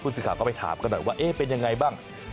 สื่อข่าวก็ไปถามกันหน่อยว่าเอ๊ะเป็นยังไงบ้าง